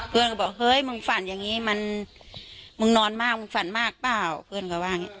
เพื่อนก็บอกเฮ้ยมึงฝันอย่างนี้มันมึงนอนมากมึงฝันมากเปล่าเพื่อนก็ว่าอย่างนี้